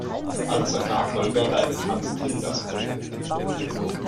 Als sein Nachfolger leitet Hans Thill das Projekt.